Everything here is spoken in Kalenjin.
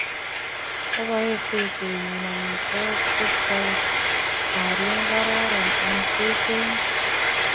Kiabae seset nyun amitwokik che kaiker ale kararan eng sesenik